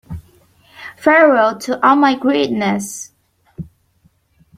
Farewell to all my greatness